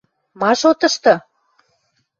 — Ма шотышты?